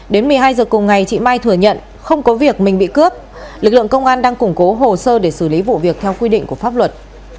đến một mươi hai h cùng ngày chị mai thừa nhận không có việc mình bị cướp lực lượng công an đang củng cố hồ sơ để xử lý vụ việc theo quy định của pháp luật